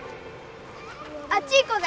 あっち行こうぜ。